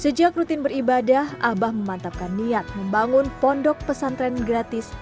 sejak rutin beribadah abah memantapkan niat membangun pondok pesantren gratis